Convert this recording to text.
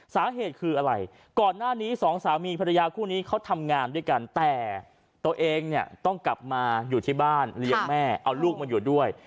สาเหตุคืออะไรก่อนหน้านี้สองสามีภรรยาคู่นี้เขาทำงานด้วยกันแต่ตัวเองเนี่ยต้องกลับมาอยู่ที่บ้านเลี้ยงแม่เอาลูกมาอยู่ด้วย